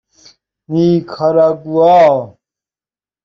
نیکاراگوآ